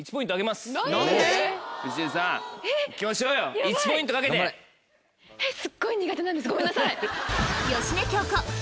すっごい苦手なんですごめんなさい。